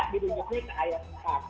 dirujuk ke ayat empat